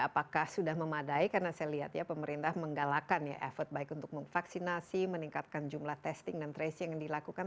apakah sudah memadai karena saya lihat ya pemerintah menggalakkan ya effort baik untuk memvaksinasi meningkatkan jumlah testing dan tracing yang dilakukan